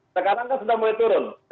sekarang kan sudah mulai turun